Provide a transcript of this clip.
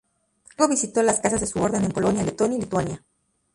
Luego visitó las casas de su orden en Polonia, Letonia y Lituania.